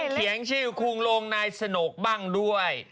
เขียนชื่อคุงลงนายสนกบ้างด้วย